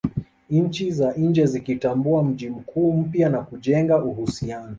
Nchi za nje zikatambua mji mkuu mpya na kujenga uhusiano